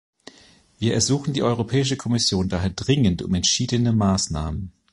Wir ersuchen die Europäische Kommission daher dringend um entschiedene Maßnahmen.